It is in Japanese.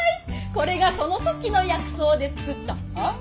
これがその時の薬草で作ったハーブティー。